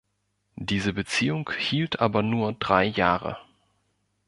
Diese Beziehung hielt aber nur drei Jahre.